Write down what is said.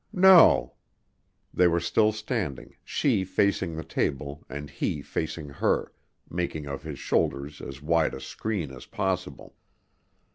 "No." They were still standing, she facing the table and he facing her, making of his shoulders as wide a screen as possible.